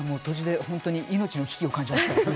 命の危機を感じました。